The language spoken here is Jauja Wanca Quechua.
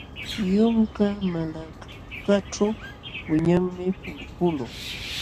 Yunka malakaćhu wiñanmi pulupulu.